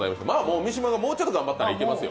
三島も、もうちょっと頑張ったらいけますよ。